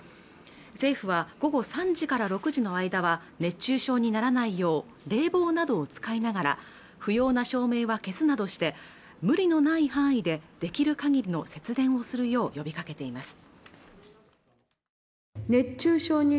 政府は午後３時から６時の間は熱中症にならないよう冷房などを使いながら不要な照明は消すなどして無理のない範囲でできるかぎりの節電をするよう呼びかけています